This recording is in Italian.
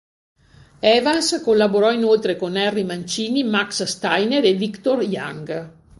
Evans collaborò inoltre con Henry Mancini, Max Steiner e Victor Young.